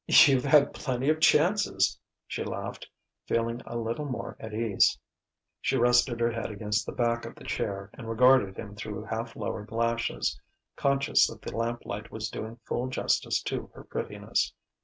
"You've had plenty of chances," she laughed, feeling a little more at ease. She rested her head against the back of the chair and regarded him through half lowered lashes, conscious that the lamplight was doing full justice to her prettiness.